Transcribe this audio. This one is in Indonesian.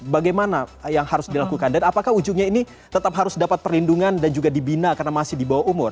bagaimana yang harus dilakukan dan apakah ujungnya ini tetap harus dapat perlindungan dan juga dibina karena masih di bawah umur